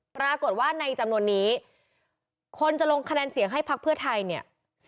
ปรากฏว่าในจำนวนนี้คนจะลงคะแนนเสียงให้พักเพื่อไทยเนี่ย